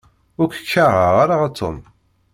Ur k-kriheɣ ara a Tom.